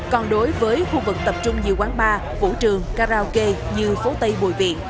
còn đối với khu vực tập trung như quán bar vũ trường karaoke như phố tây bùi viện